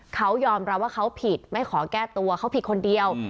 เขายอมรับว่าเขาผิดไม่ขอแก้ตัวเขาผิดคนเดียว